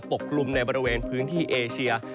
กลุ่มในบริเวณพื้นที่เอเชีย